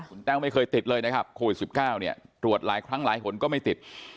คุณแต้วไม่เคยติดเลยนะครับโควิด๑๙เนี่ยตรวจหลายครั้งหลายหนก็ไม่ติด